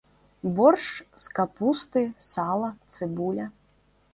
Боршч з капусты, сала, цыбуля.